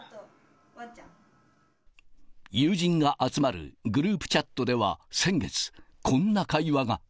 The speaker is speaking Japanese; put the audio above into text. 友人が集まるグループチャットでは先月、こんな会話が。